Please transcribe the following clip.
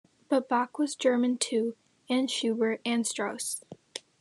But Bach was a German too-and Schubert, and Strauss.